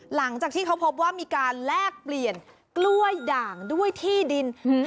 หลังจากที่เขาพบว่ามีการแลกเปลี่ยนกล้วยด่างด้วยที่ดิน